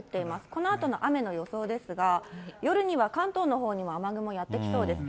このあとの雨の予想ですが、夜には関東のほうには雨雲やって来そうです。